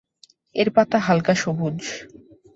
এর পাতা হালকা সবুজ।